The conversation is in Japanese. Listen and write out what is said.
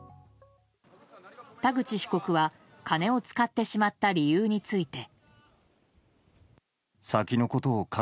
田口被告は金を使ってしまった理由について。